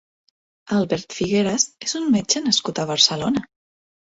Albert Figueras és un metge nascut a Barcelona.